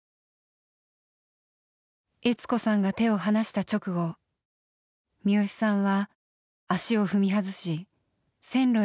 悦子さんが手を離した直後視良さんは足を踏み外し線路へと転落。